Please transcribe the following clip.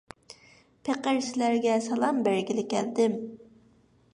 پېقىر سىلەرگە سالام بەرگىلى كەلدىم.